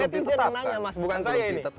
netizen rananya mas bukan saya ini